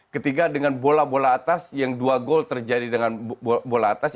ketiga dengan bola bola atas yang dua gol terjadi dengan bola atas